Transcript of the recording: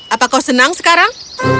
apa kau senang sekarang